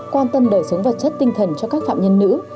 quan tâm đời sống vật chất tinh thần cho các phạm nhân nữ